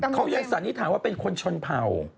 เขายังสันนิษฐานว่าเป็นคนชนเผ่า